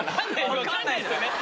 分かんないっすよね。